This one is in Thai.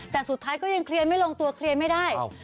แต่สุดท้ายก็ยังเคลียร์ไม่ลงตัวเคลียร์ไม่ได้